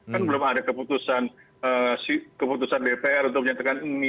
kan belum ada keputusan dpr untuk menyatakan ini